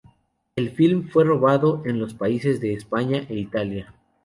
El film fue rodado en los países de España e Italia.